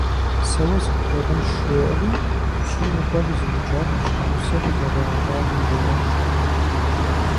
Сэ уэ сыпхурикъунщ жеӀэри, пщым и къуэр зыукӀар и щхьэгъусэр зэрыарар жреӀэж.